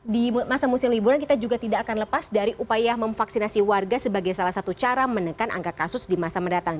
di masa musim liburan kita juga tidak akan lepas dari upaya memvaksinasi warga sebagai salah satu cara menekan angka kasus di masa mendatang